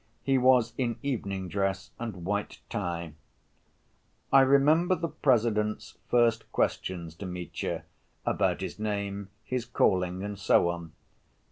He was in evening dress and white tie. I remember the President's first questions to Mitya, about his name, his calling, and so on.